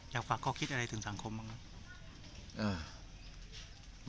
อยากฝากข้อคิดอะไรถึงสังคมบ้างครับ